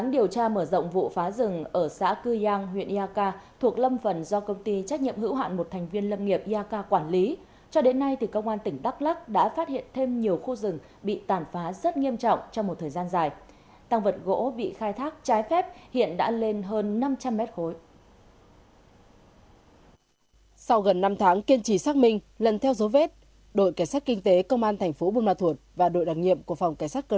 đến nay các đơn vị nghiệp vụ của công an tỉnh đắk lắc đã phát hiện bốn trăm tám mươi một lóng hộp gỗ